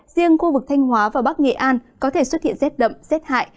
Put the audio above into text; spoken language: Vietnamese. riêng khu vực thanh hóa và bắc nghệ an có thể xuất hiện rét đậm rét hại